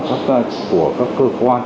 của các cơ quan